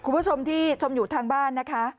คุณผู้ชมที่ชมอยู่ทางบ้านนะคะ